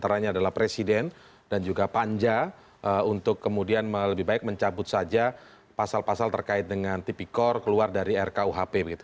antaranya adalah presiden dan juga panja untuk kemudian lebih baik mencabut saja pasal pasal terkait dengan tipikor keluar dari rkuhp